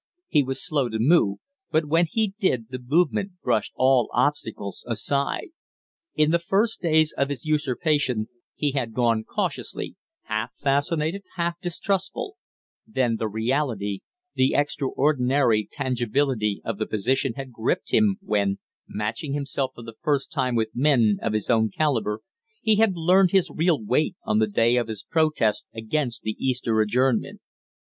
He was slow to move, but when he did the movement brushed all obstacles aside. In the first days of his usurpation he had gone cautiously, half fascinated, half distrustful; then the reality, the extraordinary tangibility of the position had gripped him when, matching himself for the first time with men of his own caliber, he had learned his real weight on the day of his protest against the Easter adjournment.